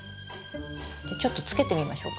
ちょっとつけてみましょうか。